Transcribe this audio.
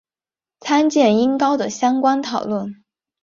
参见音高的相关讨论。